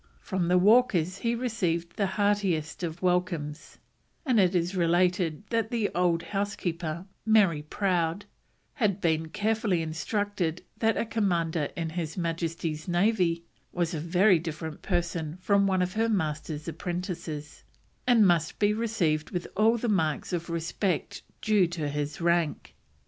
From the Walkers he received the heartiest of welcomes, and it is related that the old housekeeper, Mary Prowd, had been carefully instructed that a Commander in His Majesty's Navy was a very different person from one of her master's apprentices, and must be received with all the marks of respect due to his rank.